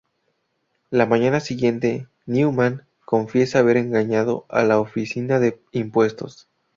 La mañana siguiente Neumann confiesa haber engañado a la oficina de impuestos.